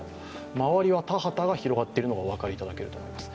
周りは田畑が広がっているのがお分かりいただけると思います。